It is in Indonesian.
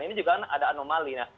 ini juga ada anomali